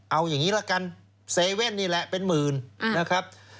เอาอย่างนี้ละกันเซเว่นนี่แหละเป็นหมื่นนะครับ